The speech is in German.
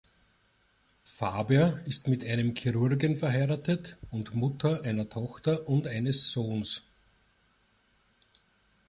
Faber ist mit einem Chirurgen verheiratet und Mutter einer Tochter und eines Sohns.